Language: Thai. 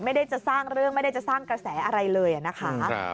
ไม่ได้จะสร้างเรื่องไม่ได้จะสร้างกระแสอะไรเลยนะคะ